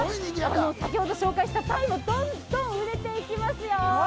先ほど紹介した鯛もどんどん売れていきますよ。